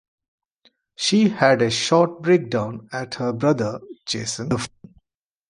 She has a short breakdown at her brother, Jason.